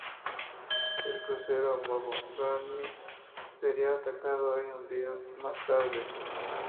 El crucero "Mogami" sería atacado y hundido más tarde.